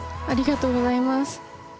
ありがとうございます。